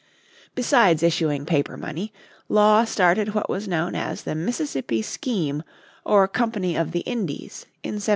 Besides issuing paper money, Law started what was known as the Mississippi Scheme or Company of the Indies in 1717.